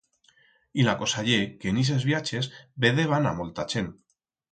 Y la cosa ye que en ixes viaches vedeban a molta chent.